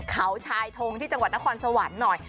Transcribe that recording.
เขาชายทงที่จังหวัดนครสวรรค์หน่อย